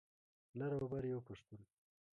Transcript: لر او بر یو پښتون.